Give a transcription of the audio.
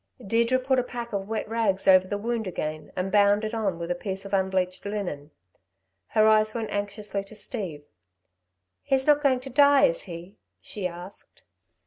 Deirdre put a pack of wet rags over the wound again, and bound it on with a piece of unbleached linen. Her eyes went anxiously to Steve. "He's not going to die, is he?" she asked.